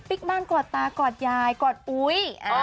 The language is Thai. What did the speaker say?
บ้านกอดตากอดยายกอดอุ๊ย